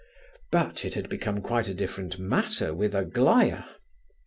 But it had become quite a different matter with Aglaya.